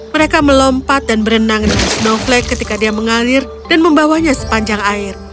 mereka melompat dan berenang dengan snowflake ketika dia mengalir dan membawanya sepanjang air